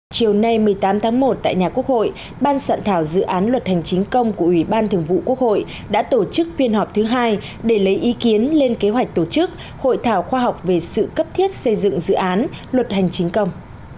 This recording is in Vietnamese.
chiều nay một mươi tám tháng một tại nhà quốc hội ban soạn thảo dự án luật hành chính công của ủy ban thường vụ quốc hội đã tổ chức phiên họp thứ hai để lấy ý kiến lên kế hoạch tổ chức hội thảo khoa học về sự cấp thiết xây dựng dự án luật hành chính công